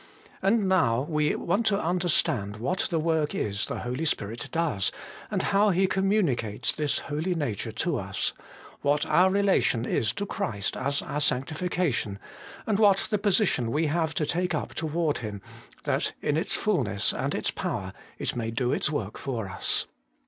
And now we want to understand what the work is the Holy Spirit does, and how He communicates this holy nature to us : what our N 194 HOLY IN CHRIST. relation is to Christ as our sanctification, and what the position we have to take up toward Him, that in its fulness and its power it may do its work for us.